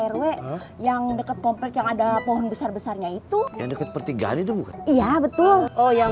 rw yang dekat kompleks yang ada pohon besar besarnya itu yang dekat pertinggalan itu iya betul oh yang